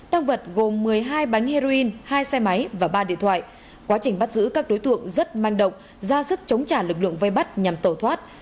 tăng vật gồm một mươi hai bánh heroin hai xe máy và ba điện thoại quá trình bắt giữ các đối tượng rất manh động ra sức chống trả lực lượng vây bắt nhằm tẩu thoát